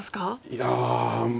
いや。